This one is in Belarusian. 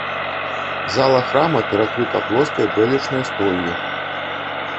Зала храма перакрыта плоскай бэлечнай столлю.